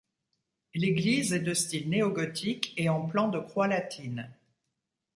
L'église est de style néo-gothique et en plan de croix latine.